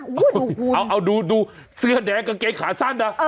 โอ้โหเอาดูเสื้อแดงกางเกงขาสั้นนะ